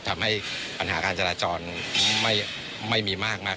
ทำให้ปัญหาการจัดสอนไม่มีมาก